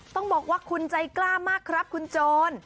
ต้องบอกว่าคุณใจกล้ามากครับคุณโจร